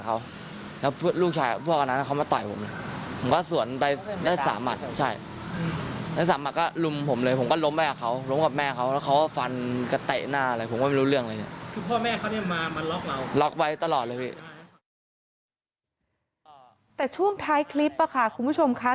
แต่ช่วงท้ายคลิปค่ะคุณผู้ชมค่ะ